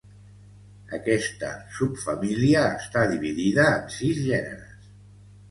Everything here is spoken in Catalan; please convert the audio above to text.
Aquesta subfamília està dividida en sis gèneres.